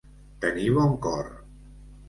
Tenir bon cor.